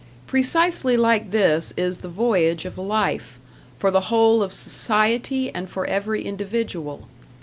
Precisely like this is the voyage of life, for the whole of society and for every individual.